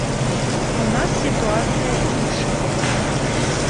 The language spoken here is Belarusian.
У нас сітуацыя іншая.